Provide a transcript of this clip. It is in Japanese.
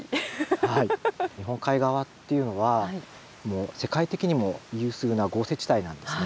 はい日本海側っていうのは世界的にも有数な豪雪地帯なんですね。